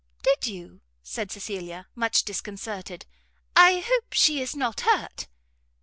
"Did you?" said Cecilia, much disconcerted, "I hope she is not hurt?'